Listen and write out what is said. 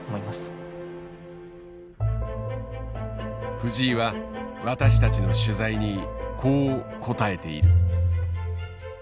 藤井は私たちの取材にこう答えている。